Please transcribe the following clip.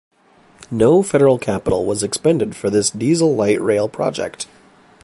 No federal capital was expended for this diesel light rail project.